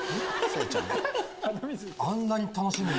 あんなに楽しみに。